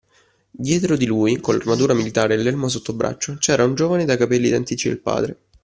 Dietro di lui, con l’armatura militare e l’elmo sottobraccio, c’era un giovane dai capelli identici al padre